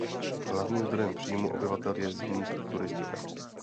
Hlavním zdrojem příjmu obyvatel je zimní turistika.